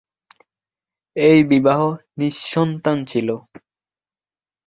এই বিবাহ নিঃসন্তান ছিল।